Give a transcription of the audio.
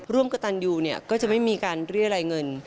ร่วมกับตันยูเนี่ยก็จะไม่มีการเรียรายเงิน